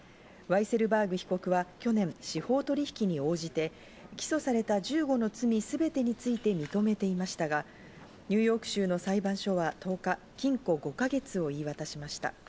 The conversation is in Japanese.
ワイセルバーグ被告は去年、司法取り引きに応じて起訴された１５の罪すべてを認めていましたが、ニューヨーク州の裁判所は１０日、禁錮５か月を言い渡しました。